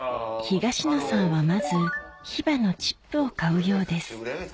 東野さんはまずヒバのチップを買うようです